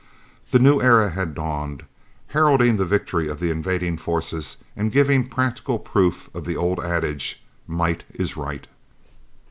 The new era had dawned, heralding the victory of the invading forces and giving practical proof of the old adage, "Might is right."